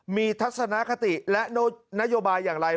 มีทัศนคติและนโยบายอย่างไร